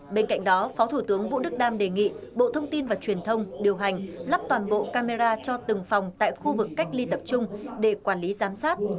bên cạnh đó phó thủ tướng vũ đức đam đề nghị bộ thông tin và truyền thông điều hành lắp toàn bộ camera cho từng phòng tại khu vực cách ly tập trung để quản lý giám sát